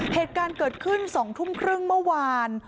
เหตุการณ์เกิดขึ้น๒ทุ่มครึ่งเมื่อวาน